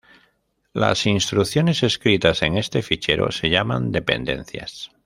Las instrucciones escritas en este fichero se llaman dependencias.